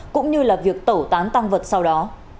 cũng như là việc tẩu tán tăng vật sau đó